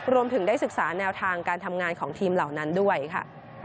รวมถึงได้ศึกษาแนวทางการทำงานของทีมเหล่านั้นด้วยค่ะ